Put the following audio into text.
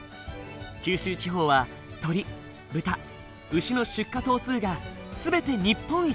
九州地方は鶏豚牛の出荷頭数が全て日本一。